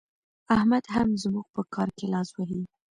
احمد هم زموږ په کار کې لاس وهي.